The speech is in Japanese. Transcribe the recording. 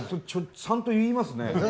ちゃんと言いますね。